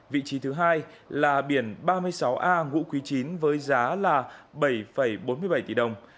vị trí thứ hai là biển ba mươi sáu a ngũ quý chín với giá là bảy bốn mươi bảy tỷ đồng